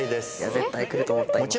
絶対くると思った今。